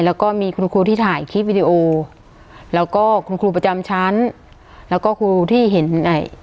แล้วก็มีคุณครูที่ถ่ายคลิปวิดีโอแล้วก็คุณครูประจำชั้นแล้วก็ครูที่เห็นอ่า